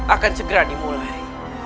akan segera dimulai